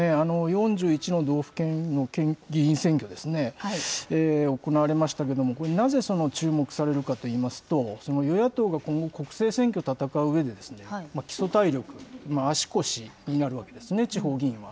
４１の道府県の議員選挙ですね、行われましたけれども、なぜ注目されるかといいますと、与野党が今後、国政選挙を戦ううえで、基礎体力、足腰になるわけですね、地方議員は。